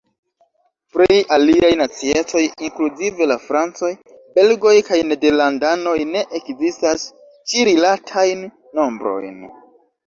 Pri aliaj naciecoj inkluzive la francoj, belgoj kaj nederlandanoj ne ekzistas ĉi-rilatajn nombrojn.